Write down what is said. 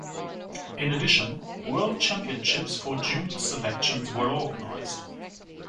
In addition, world championships for junior selections were organized.